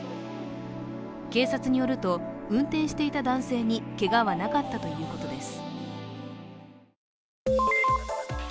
警察によると、運転していた男性にけがはなかったということです。